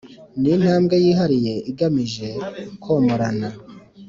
ni intambwe yihariye igamije komorana